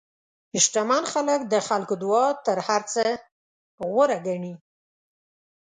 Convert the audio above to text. شتمن خلک د خلکو دعا تر هر څه غوره ګڼي.